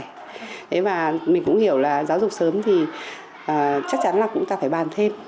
thế và mình cũng hiểu là giáo dục sớm thì chắc chắn là cũng ta phải bàn thêm